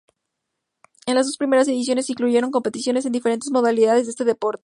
En las dos primeras ediciones se incluyeron competiciones en diferentes modalidades de este deporte.